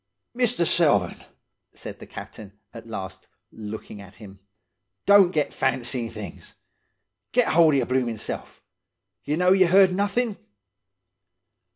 "'Mister Selvern,' said the captain, at last, looking at him, 'don't get fancying, things. Get hold of your bloomin' self. Ye know ye heard nothin'?